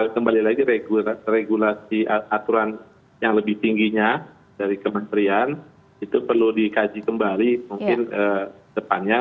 kembali lagi regulasi aturan yang lebih tingginya dari kementerian itu perlu dikaji kembali mungkin depannya